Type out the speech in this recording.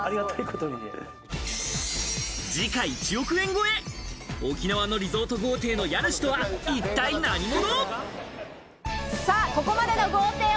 時価１億円超え、沖縄のリゾート豪邸の家主とは一体何者？